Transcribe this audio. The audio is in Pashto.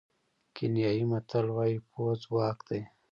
کینیايي متل وایي پوهه ځواک دی.